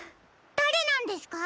だれなんですか？